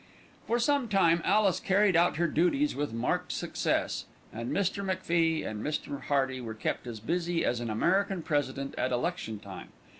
For some time Alice carried out her duties with marked success, and Mr. MacFie and Mr. Hearty were kept as busy as an American President at election time.